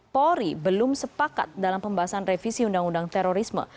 polri belum sepakat dalam pembahasan revisi undang undang terorisme